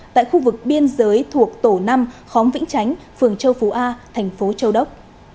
tại khu vực biên giới thuộc tổ năm khóm vĩnh chánh phường châu phú a thành phố châu đốc